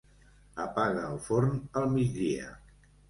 Apaga el forn al migdia.